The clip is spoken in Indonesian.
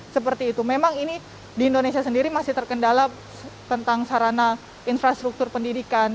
seperti itu memang ini di indonesia sendiri masih terkendala tentang sarana infrastruktur pendidikan